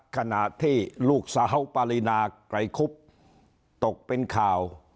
ขณะที่ลูกสาวปารีนาไกรคุบตกเป็นข่าว